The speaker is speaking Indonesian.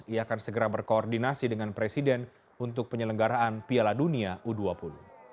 ia akan segera berkoordinasi dengan presiden untuk penyelenggaraan piala dunia u dua puluh